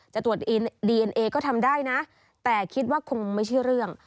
จะตรวจดีเอ็นเอก็ทำได้นะแต่คิดว่าคงไม่ใช่เรื่อง